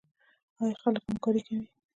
آیا خلک همکاري کوي؟